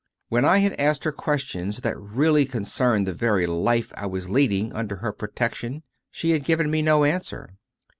When I had asked her questions that really concerned the very life I was leading under her protection, she had given me no answer.